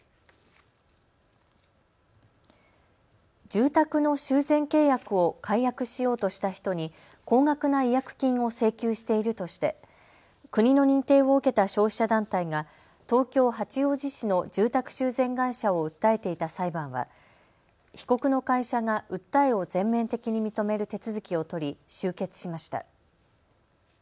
住宅の修繕契約を解約しようとした人に高額な違約金を請求しているとして国の認定を受けた消費者団体が東京八王子市の住宅修繕会社を訴えていた裁判は被告の会社が訴えを全面的に認める手続きを取り終結しました。